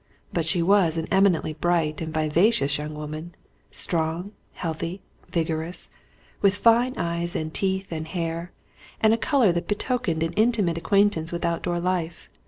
But she was an eminently bright and vivacious young woman, strong, healthy, vigorous, with fine eyes and teeth and hair, and a colour that betokened an intimate acquaintance with outdoor life.